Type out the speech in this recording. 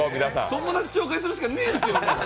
友達紹介するしかねーっすよ。